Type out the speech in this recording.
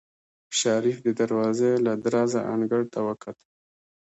شريف د دروازې له درزه انګړ ته وکتل.